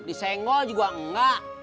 disengol juga enggak